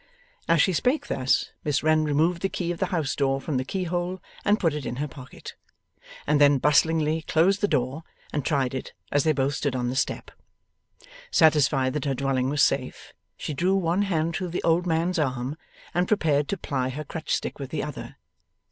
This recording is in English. As she spake thus, Miss Wren removed the key of the house door from the keyhole and put it in her pocket, and then bustlingly closed the door, and tried it as they both stood on the step. Satisfied that her dwelling was safe, she drew one hand through the old man's arm and prepared to ply her crutch stick with the other.